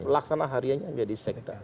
laksana harianya jadi sekda